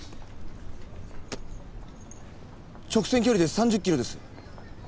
直線距離で３０キロです。